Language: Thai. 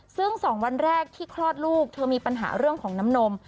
ซึ่ง๒วันแรกที่คลอดลูกเธอมีปัญหาเรื่องของน้ำนม